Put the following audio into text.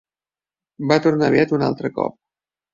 Va tornar aviat un altre cop.